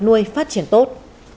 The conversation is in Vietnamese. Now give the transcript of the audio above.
nuôi phát triển tốt